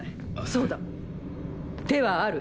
そうだ手はある。